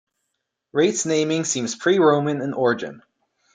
Rates naming seems pre-Roman in origin.